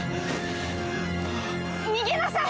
逃げなさい！